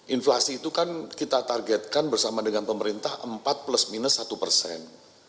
inflasi itu kan kita targetkan bersama dengan pemerintah empat plus minus satu persen